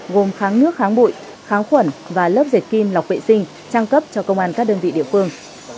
gồm kháng nước kháng bụi kháng khuẩn và lớp dệt kim lọc vệ sinh trang cấp cho công an các đơn vị địa phương